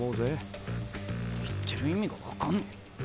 言ってる意味が分かんねえ。